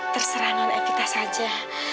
terserah non evita saja